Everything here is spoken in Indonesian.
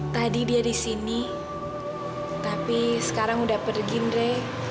tadi dia di sini tapi sekarang udah pergi ndre